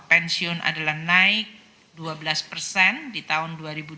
pensiun adalah naik dua belas persen di tahun dua ribu dua puluh